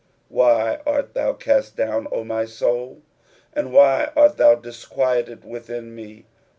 1 1 Why art thou cast down, O my soul ? and why art thou disquieted within me?